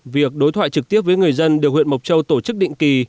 việc đối thoại trực tiếp với người dân được huyện mộc châu tổ chức định kỳ